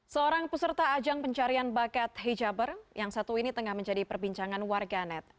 seorang peserta ajang pencarian bakat hijabr yang satu ini tengah menjadi perbincangan warga net